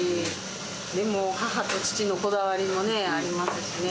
でも母と父のこだわりもありますしね。